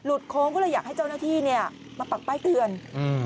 โค้งก็เลยอยากให้เจ้าหน้าที่เนี้ยมาปักป้ายเตือนอืม